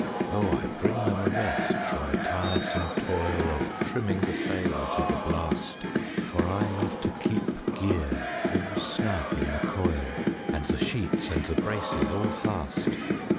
Oh, I bring them a rest from the tiresome toil Of trimming the sail to the blast; For I love to keep gear all snug in the coil And the sheets and the braces all fast.